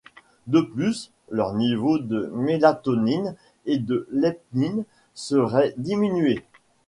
De plus, leurs niveaux de mélatonine et de leptine seraient diminués.